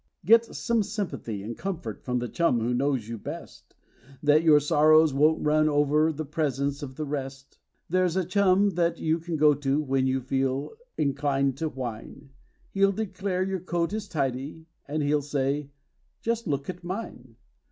Get some sympathy and comfort from the chum who knows you best, Then your sorrows won't run over in the presence of the rest ; There's a chum that you can go to when you feel inclined to whine, He'll declare your coat is tidy, and he'll say : "Just look at mine